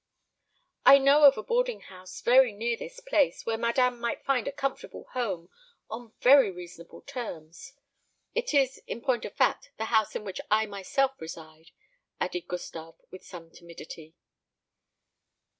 "I know of a boarding house very near this place, where madame might find a comfortable home on very reasonable terms. It is, in point of fact, the house in which I myself reside," added Gustave, with some timidity.